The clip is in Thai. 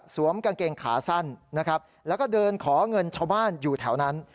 กางเกงขาสั้นนะครับแล้วก็เดินขอเงินชาวบ้านอยู่แถวนั้น